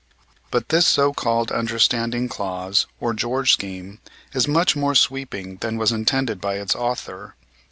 But this so called "understanding clause," or George scheme, is much more sweeping than was intended by its author.